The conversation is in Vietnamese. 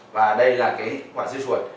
và đây là quả dưa chuột